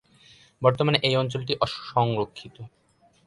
বর্তমানে এই অঞ্চলটি অসংরক্ষিত।